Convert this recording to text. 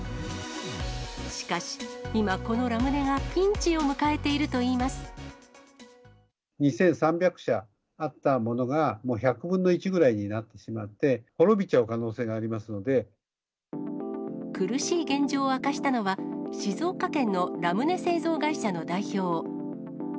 しかし、今、このラムネがピ２３００社あったものが、もう１００分の１ぐらいになってしまっていて、滅びちゃう可能性苦しい現状を明かしたのは、静岡県のラムネ製造会社の代表。